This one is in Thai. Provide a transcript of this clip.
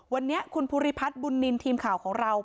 วันนี้คุณภูริพัฒน์บุญนินทีมข่าวของเรา